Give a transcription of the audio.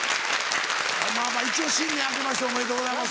一応新年あけましておめでとうございます。